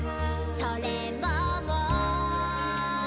「それももう」